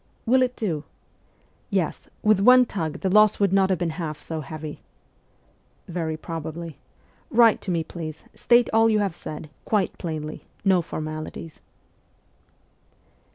'Will it do?' 'Yes, with one tug the loss would not have been half so heavy.' ' Very probably. Write to me, please ; state all you have said, quite plainly ; no formalities.'